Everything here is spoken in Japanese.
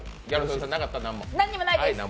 何もないです。